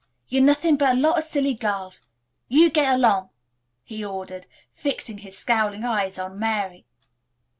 "Yer nothin' but a lot o' silly girls. You git along," he ordered, fixing his scowling eyes on Mary.